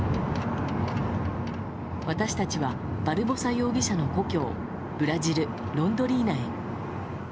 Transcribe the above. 私たちはバルボサ容疑者の故郷ブラジル・ロンドリーナへ。